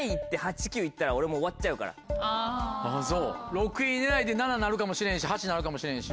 ６位狙いで７なるかもしれんし８なるかもしれんし。